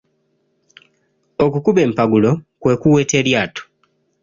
Okukuba empagulo kwe kuweta eryato.